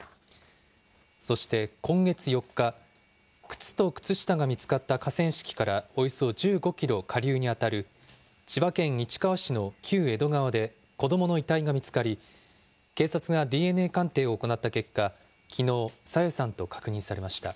そして今月４日、靴と靴下が見つかった河川敷からおよそ１５キロ下流に当たる千葉県市川市の旧江戸川で子どもの遺体が見つかり、警察がＤＮＡ鑑定を行った結果、きのう、朝芽さんと確認されました。